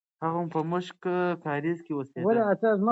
هغه په موشک کارېز کې اوسېده.